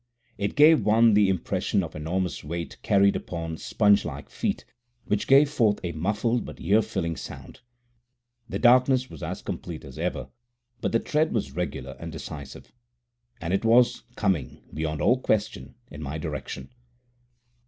It gave one the impression of enormous weight carried upon sponge like feet, which gave forth a muffled but ear filling sound. The darkness was as complete as ever, but the tread was regular and decisive. And it was coming beyond all question in my direction.